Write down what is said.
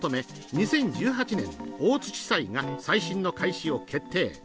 ２０１８年、大津地裁が再審の開始を決定。